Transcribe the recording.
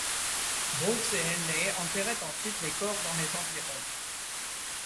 Brooks et Henley enterraient ensuite les corps dans les environs.